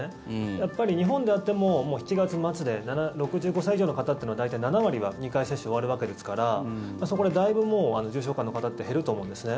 やっぱり日本だってもう７月末で６５歳以上の方というのは大体７割は２回接種が終わるわけですからそこでだいぶ重症化の方って減ると思うんですね。